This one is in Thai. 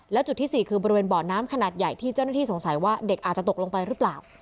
และจุดที่๔คือบริเวณบ่อน้ำขนาดใหญ่ที่เจ้าหน้าที่สงสัยว่าเด็กอาจจะตกลงไปหรือเปล่า